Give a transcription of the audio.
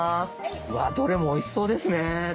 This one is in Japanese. わっどれもおいしそうですね。